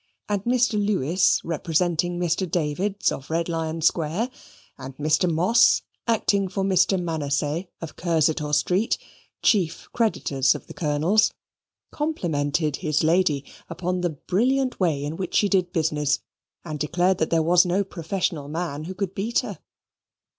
And Mr. Lewis representing Mr. Davids, of Red Lion Square, and Mr. Moss acting for Mr. Manasseh of Cursitor Street (chief creditors of the Colonel's), complimented his lady upon the brilliant way in which she did business, and declared that there was no professional man who could beat her.